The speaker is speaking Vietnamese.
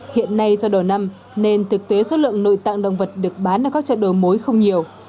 hiện nay do đỏ năm nên thực tế số lượng nội tạng động vật được bán ở các chợt đồ mối không nhiều